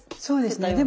そうですね。